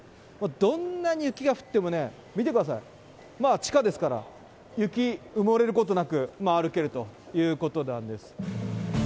どんなに雪が降ってもね、見てください、地下ですから、雪、埋もれることなく歩けるということなんです。